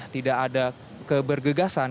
tidak ada kebergegasan